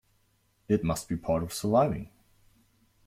It must be part of surviving.